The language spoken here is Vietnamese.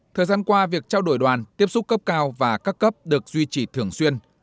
thời gian qua việc trao đổi đoàn tiếp xúc cấp cao và các cấp được duy trì thường xuyên